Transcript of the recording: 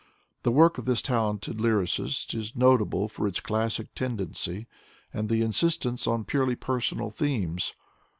The work of this talented Ijrridst is notable for its classic tendency and an insistence on purely personal themes.